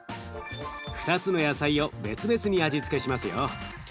２つの野菜を別々に味付けしますよ。